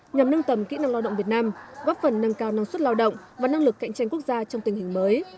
nhằm nâng tầm kỹ năng lao động việt nam góp phần nâng cao năng suất lao động và năng lực cạnh tranh quốc gia trong tình hình mới